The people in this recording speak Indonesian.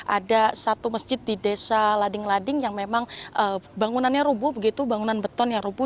ada satu masjid di desa lading lading yang memang bangunannya rubuh begitu bangunan beton yang rubuh